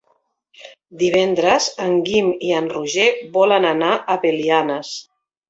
Divendres en Guim i en Roger volen anar a Belianes.